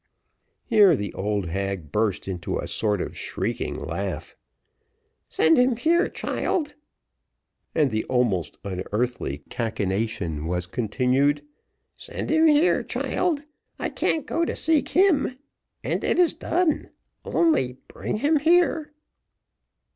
Here the old hag burst into a sort of shrieking laugh. "Send him here, child;" and the almost unearthly cachinnation was continued "send him here, child I can't go to seek him and it is done only bring him here."